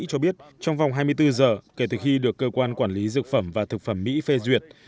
cho biết trong vòng hai mươi bốn giờ kể từ khi được cơ quan quản lý dược phẩm và thực phẩm mỹ phê duyệt